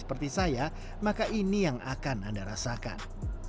seperti saya maka ini yang akan anda rasakan